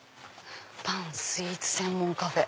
「パンスイーツ専門カフェ」。